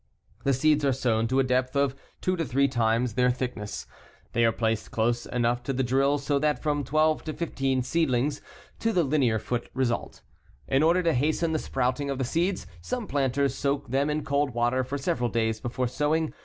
The seeds are sown to a depth of 2 to 3 times their thickness. They are placed close enough in the drill so that from 12 to 15 seedlings to the linear foot result. In order to hasten the sprouting of the seeds, some planters soak them in cold water for several days before sowing.